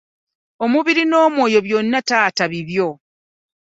Omubiri n'omwoyo byonna taata bibyo.